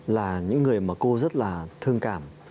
là những người mà cô rất là thương cảm